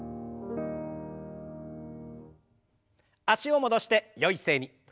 脚を戻してよい姿勢に。